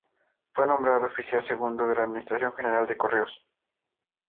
Fue nombrado oficial segundo de la Administración General de Correos.